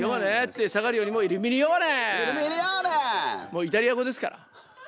もうイタリア語ですから。